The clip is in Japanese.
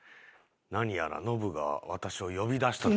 何やらノブが私を呼び出した。